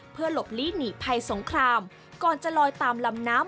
เพื่อหลบลีหนีภัยสงครามก่อนจะลอยตามลำน้ำ